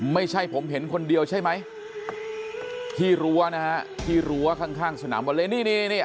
ไม่ใช่ผมเห็นคนเดียวใช่ไหมที่รั้วนะฮะที่รั้วข้างข้างสนามบอลเลยนี่นี่